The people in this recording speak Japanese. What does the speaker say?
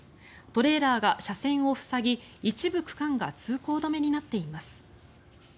トレーラーが車線を塞ぎ一部区間が通行止めになっています。